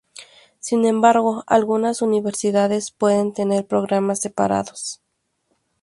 Sin embargo, algunas universidades pueden tener programas separados.